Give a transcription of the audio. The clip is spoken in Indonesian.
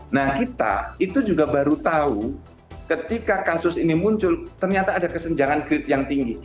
nah kita itu juga baru tahu ketika kasus ini muncul ternyata ada kesenjangan krite yang tinggi